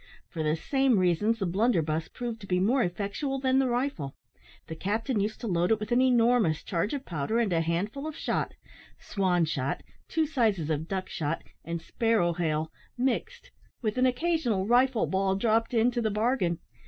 For the same reasons the blunderbuss proved to be more effectual than the rifle. The captain used to load it with an enormous charge of powder and a handful of shot swan shot, two sizes of duck shot, and sparrow hail, mixed, with an occasional rifle ball dropped in to the bargain.